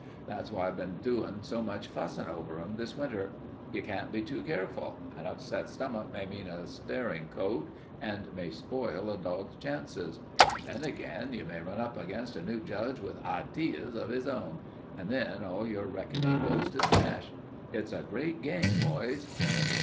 That's why I've been doing so much fussing over them this winter. You can't be too careful. An upset stomach may mean a staring coat and may spoil a dog's chances. And then again you may run up against a new judge with hideas of 'is own, and then all your reckoning goes to smash. It's a great game, boys."